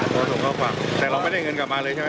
ส่งข้อความแต่เราไม่ได้เงินกลับมาเลยใช่ไหม